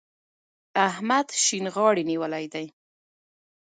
احمد شينې غاړې نيولی دی.